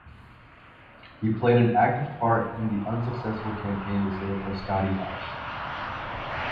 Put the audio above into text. He played an active part in the unsuccessful campaign to save Frescati House.